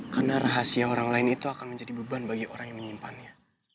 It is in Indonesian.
karena rahasia orang lain itu akan menjadi beban bagi orang yang menyimpannya